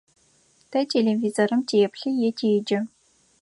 Тэ телевизорым теплъы е теджэ.